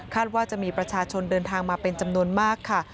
ว่าจะมีประชาชนเดินทางมาเป็นจำนวนมากค่ะ